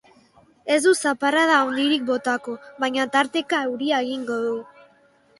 Ez du zaparrada handirik botako, baina tarteka euria egingo du.